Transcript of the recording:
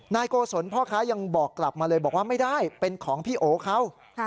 นายโกศลพ่อค้ายังบอกกลับมาเลยบอกว่าไม่ได้เป็นของพี่โอเขา